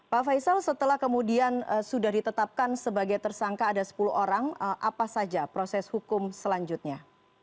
pak faisal setelah kemudian sudah ditetapkan sebagai tersangka ada sepuluh orang apa saja proses hukum selanjutnya